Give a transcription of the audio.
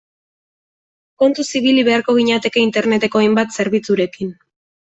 Kontuz ibili beharko ginateke Interneteko hainbat zerbitzurekin.